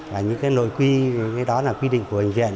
và những nội quy cái đó là quy định của bệnh viện